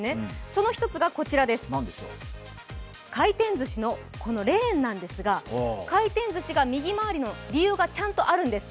そのひとつがこちら、回転寿司のレーンなんですが回転ずしが右回りの理由がちゃんとあるんです。